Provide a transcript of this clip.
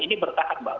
ini bertahan mbak